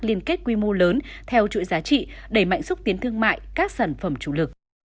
liên kết quy mô lớn theo chuỗi giá trị đẩy mạnh xúc tiến thương mại các sản phẩm chủ lực